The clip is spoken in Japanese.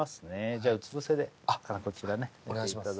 じゃあうつ伏せでこちらねお願いします